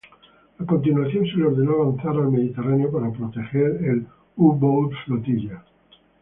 A continuación, se le ordenó avanzar al Mediterráneo para proteger el "U-boat Flotilla".